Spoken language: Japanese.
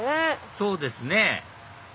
そうですね